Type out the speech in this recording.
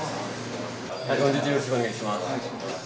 よろしくお願いします。